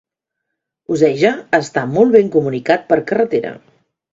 Oceja està molt ben comunicat per carretera.